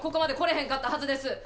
へんかったはずです！